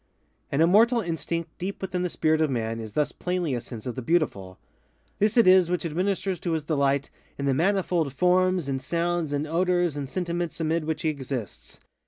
An immortal instinct deep within the spirit of man is thus plainly a sense of the Beautiful. This it is which administers to his delight in the manifold forms, and sounds, and odors and sentiments amid which he exists.